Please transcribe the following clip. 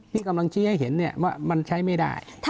ที่กำลังชี้ให้เห็นว่ามันใช้ไม่ได้